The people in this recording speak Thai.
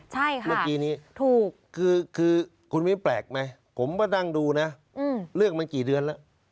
ใช่ค่ะถูกคือคุณวิทย์แปลกไหมผมก็นั่งดูนะเรื่องมันกี่เดือนแล้ว